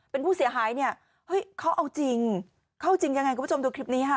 เป็นผู้เสียหายเนี่ยเฮ้ยเขาเอาจริงเขาเอาจริงยังไงคุณผู้ชมดูคลิปนี้ค่ะ